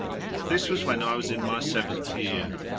This was when I was in my seventh year.